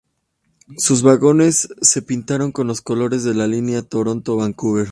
Sus vagones se pintaron con los colores de la línea Toronto-Vancouver.